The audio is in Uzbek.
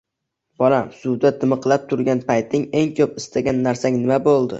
Bolam, suvda dimiqib turgan payting eng koʻp istagan narsang nima boʻldi